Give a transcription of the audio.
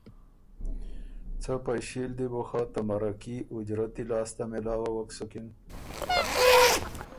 څه پئݭي ل دی بو خه ته مرکي اُجرتی لاسته مېلاووک سُکِن